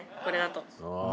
これだと。